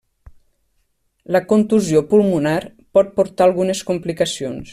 La contusió pulmonar pot portar algunes complicacions.